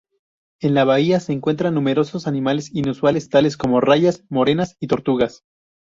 En la bahía se encuentran numerosos animales inusuales, tales como rayas, morenas y tortugas.